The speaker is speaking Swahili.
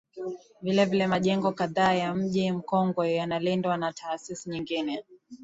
Vilevile majengo kadhaa ya Mji Mkongwe yanalindwa na taasisi nyingine